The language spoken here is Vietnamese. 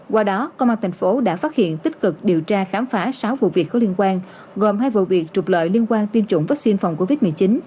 qua đó công an thành phố đã phát hiện tích cực điều tra khám phá sáu vụ việc có liên quan gồm hai vụ việc trục lợi liên quan tiêm chủng vaccine phòng covid một mươi chín